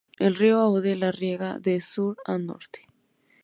El río Aude la riega de sur a norte.